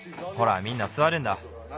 ほらみんなすわるんだ。